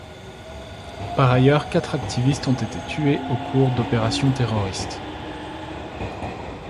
Par ailleurs quatre activistes ont été tués au cours d'opérations terroristes.